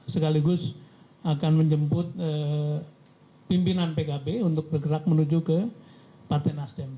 sekaligus akan menjemput pimpinan pkb untuk bergerak menuju ke partai nasdem